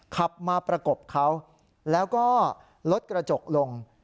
ขับมาประกบเขาแล้วก็ลดกระจกลง